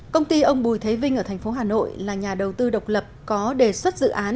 công ty ông bùi thế vinh ở thành phố hà nội là nhà đầu tư độc lập có đề xuất dự án